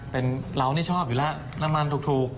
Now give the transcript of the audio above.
เป็นเรานี่ชอบอยู่แล้วน้ำมันถูก